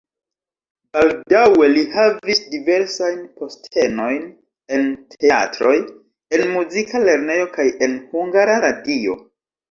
Baldaŭe li havis diversajn postenojn en teatroj, en muzika lernejo kaj en Hungara Radio.